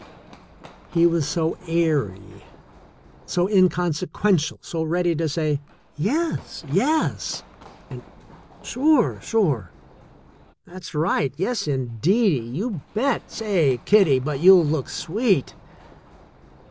He was so airy, so inconsequential, so ready to say : ''Yes, yes," and "Sure, sure! That's right! Yes, indeedy; you bet! Say, kiddie, but you'll look sweet!"